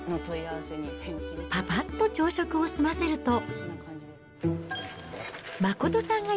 ぱぱっと朝食を済ませると。